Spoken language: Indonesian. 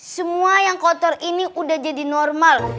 semua yang kotor ini udah jadi normal